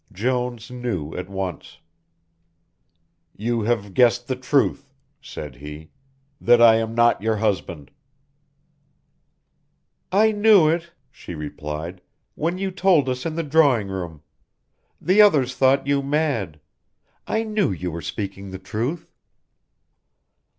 Jones knew at once. "You have guessed the truth," said he, "that I am not your husband." "I knew it," she replied, "when you told us in the drawing room The others thought you mad. I knew you were speaking the truth."